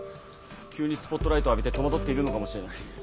急にスポットライトを浴びて戸惑っているのかもしれない。